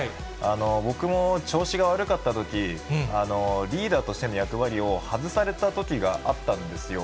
僕も調子が悪かったとき、リーダーとしての役割を外されたときがあったんですよ。